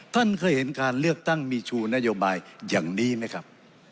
ท่านเคยเห็นการเลือกตั้งมีชูนโยบายอย่างนี้ไหมครับ